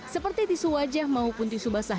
seperti tisu wajah maupun tisu basah